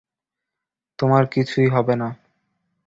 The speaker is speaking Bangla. তোমার কিছুই হবে না।